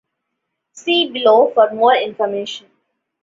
See below for more information.